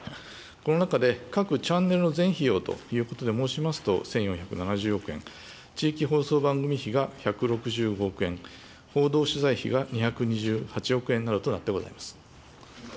この中で各チャンネルの全費用ということで申しますと１４７０億円、地域放送番組費が１６５億円、報道取材費が２２８億円などとなってございます。